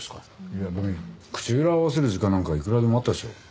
いや口裏を合わせる時間なんかいくらでもあったでしょ。